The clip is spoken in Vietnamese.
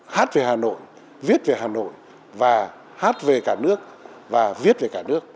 hát về hà nội viết về hà nội và hát về cả nước và viết về cả nước